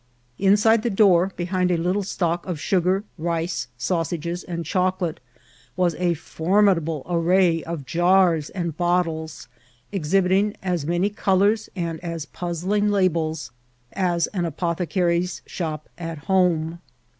Inside the door, behind a little stock of sugar, rice, sausages, and chocolate, was a formidable array of jars and bottles, exhibiting as many colours and as puzzling labels as an apothecary's shop at home.